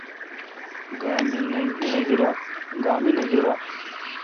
گا می نہ گیرا۔